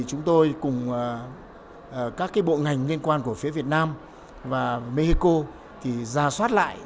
chúng tôi cùng các bộ ngành liên quan của phía việt nam và mexico đã đạt ba ba mươi năm tỷ usd